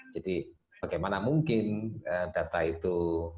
jadi bagaimana mungkin data itu